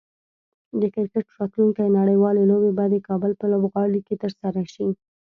د کرکټ راتلونکی نړیوالې لوبې به د کابل په لوبغالي کې ترسره شي